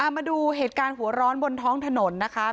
มาดูเหตุการณ์หัวร้อนบนท้องถนนนะคะ